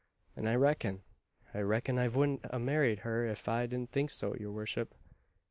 And I reckon I reckon I vouldn't a married her if I didn't think so, your vorship!"